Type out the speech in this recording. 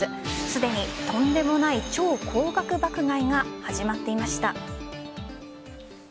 すでに、とんでもない超高額爆買いが始まっていました。